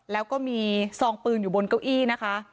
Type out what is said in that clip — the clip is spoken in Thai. แล้วก็มีซองปืนอยู่บนเก้าอี้นะคะ